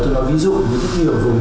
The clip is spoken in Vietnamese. tôi nói ví dụ như rất nhiều vùng